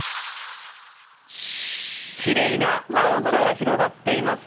きれいな青空が広がっています。